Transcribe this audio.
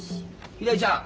ひらりちゃん。